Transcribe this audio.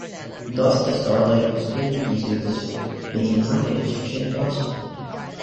Thus the starlight would still be easily visible, making planet detection impossible.